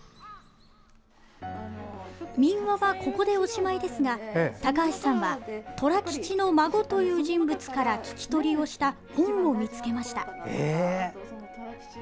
民話は、ここでおしまいですが高橋さんは寅吉の孫という人物から聞き取りをした本を見つけました。